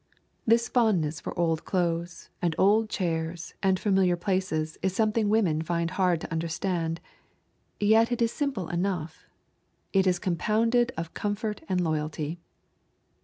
This fondness for old clothes and old chairs and familiar places is something women find hard to understand. Yet it is simple enough. It is compounded of comfort and loyalty.